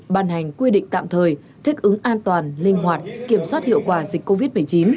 ban hành quy định tạm thời thích ứng an toàn linh hoạt kiểm soát hiệu quả dịch covid một mươi chín